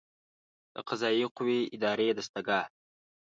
د قضائیه قوې اداري دستګاه